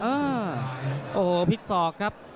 เออโอ้โหพลิกศอกครับ